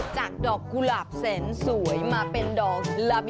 จากดอกกุหลาบแสนสวยมาเป็นดอกลำ